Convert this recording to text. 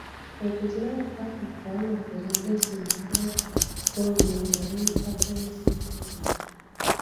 It is now part of one of the largest industrial conglomerate companies in Poland.